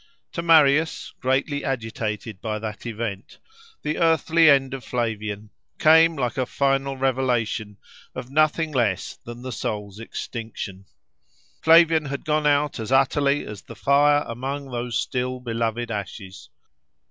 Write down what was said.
To Marius, greatly agitated by that event, the earthly end of Flavian came like a final revelation of nothing less than the soul's extinction. Flavian had gone out as utterly as the fire among those still beloved ashes.